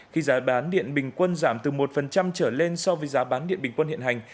khi giá bán điện bình quân giảm từ một trở lên so với giá bán điện bình quân hiện hành